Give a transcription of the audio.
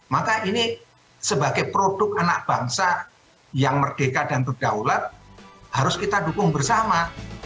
maka ini sebagai produk anak bangsa yang merdeka dan berdaulat harus kita dukung bersama